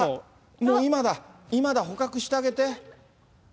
もう今だ、捕獲してあげて。